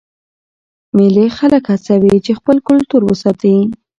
مېلې خلک هڅوي چې خپل کلتور وساتي.